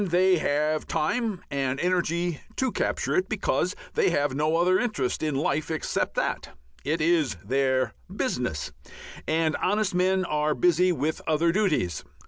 They have time and energy to capture it, because they have no other interest in life except that. It is their "business," and honest men are busy with other duties.